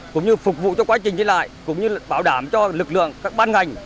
cũng như phục vụ cho quá trình đi lại cũng như bảo đảm cho lực lượng các ban ngành